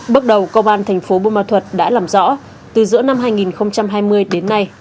bước đầu công an thành phố bùa ma thuật đã làm rõ từ giữa năm hai nghìn hai mươi đến nay